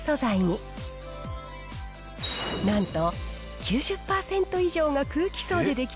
なんと。